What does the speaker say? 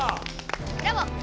ブラボー！